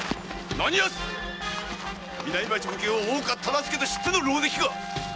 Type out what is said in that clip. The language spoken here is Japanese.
何奴⁉南町奉行大岡忠相と知っての狼藉か？